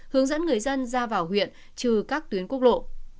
hướng dẫn người dân ra vào huyện trừ các tuyến quốc lộ